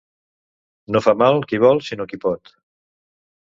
No fa mal qui vol, sinó qui pot.